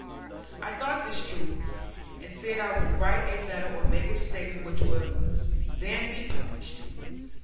I thought this true, and said I would write a letter or make a statement which could then be published.